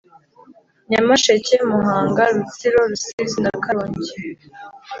Nyamasheke Muhanga Rutsiro Rusizi na Karongi